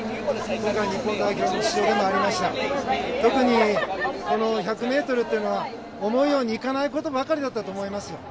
特にこの１００ｍというのは思うようにいかないことばかりだったと思います。